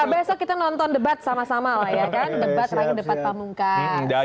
besok kita nonton debat sama sama lah ya kan debat raih depan pamungkas